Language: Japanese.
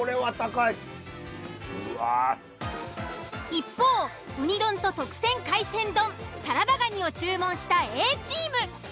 一方うに丼と特選海鮮丼タラバガニを注文したＡチーム。